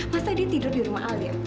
masa dia tidur di rumah alir